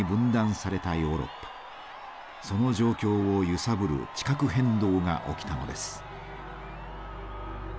その状況を揺さぶる地殻変動が起きたのです。